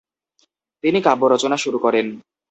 তিনি কাব্যরচনা শুরু করেন।